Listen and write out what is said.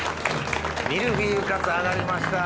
ミルフィーユカツ揚がりました。